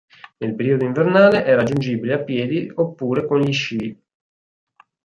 Nel periodo invernale è raggiungibile a piedi oppure con gli sci.